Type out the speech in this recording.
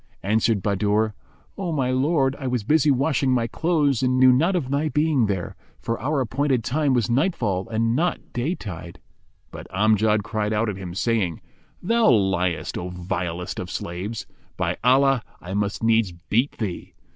Answered Bahadur, "O my lord, I was busy washing my clothes and knew not of thy being here; for our appointed time was nightfall and not day tide." But Amjad cried out at him, saying, "Thou liest, O vilest of slaves! By Allah, I must needs beat thee."